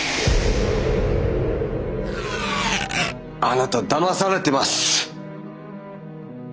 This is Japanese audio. あなただまされてます。